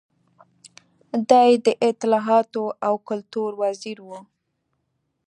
دی د اطلاعاتو او کلتور وزیر و.